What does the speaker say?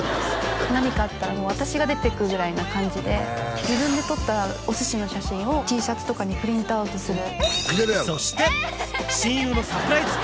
何かあったらもう私が出ていくぐらいな感じで自分で撮ったお寿司の写真をＴシャツとかにプリントアウトする